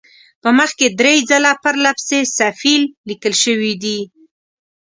په مخ کې درې ځله پرله پسې صفیل لیکل شوی دی.